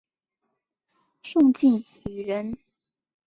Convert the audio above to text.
宋敬舆人。